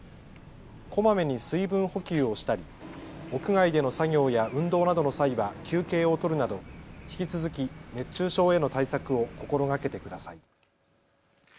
こまめに水分補給をしたり屋外での作業や運動などの際は休憩を取るなど引き続き熱中症への対策を心がけてください。